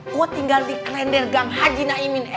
gue tinggal di klender gang haji naimin